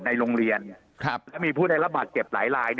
ในโรงเรียนมีผู้ในระบัดเก็บหลาย